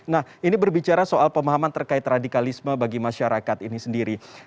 nah ini berbicara soal pemahaman terkait radikalisme bagi masyarakat ini sendiri